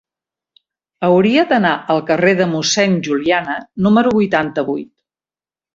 Hauria d'anar al carrer de Mossèn Juliana número vuitanta-vuit.